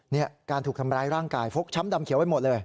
นี่การถูกทำร้ายร่างกายฟกช้ำดำเขียวไปหมดเลย